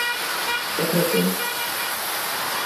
Què pretén?